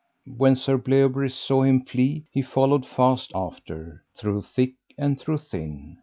When Sir Bleoberis saw him flee he followed fast after, through thick and through thin.